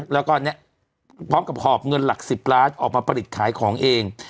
แล้วก็เนี่ยพร้อมกับหอบเงินหลัก๑๐ล้านออกมาผลิตขายของเอง